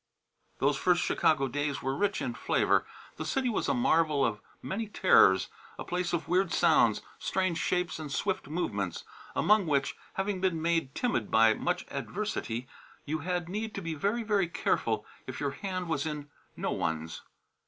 Those first Chicago days were rich in flavour. The city was a marvel of many terrors, a place of weird sounds, strange shapes and swift movements, among which having been made timid by much adversity you had need to be very, very careful if your hand was in no one's.